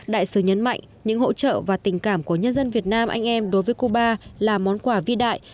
đại sứ nhấn mạnh những hỗ trợ và tình cảm của nhân dân việt nam anh em đối với cuba là món quà vi đại